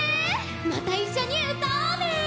またいっしょにうたおうね。